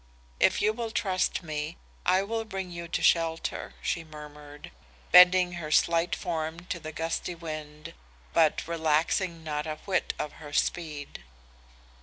'If you will trust me, I will bring you to shelter,' she murmured, bending her slight form to the gusty wind but relaxing not a whit of her speed.